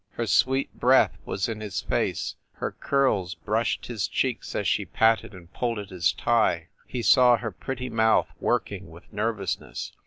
Her sweet breath was in his face, her curls brushed his cheeks as she patted and pulled at his tie. He saw her pretty mouth working with nervousness.